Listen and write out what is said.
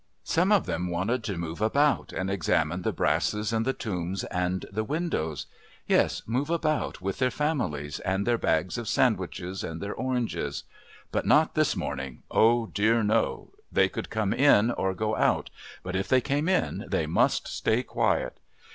Some of them wanted to move about and examine the brasses and the tombs and the windows yes, move about with their families, and their bags of sandwiches, and their oranges. But not this morning, oh, dear, no! They could come in or go out, but if they came in they must stay quiet.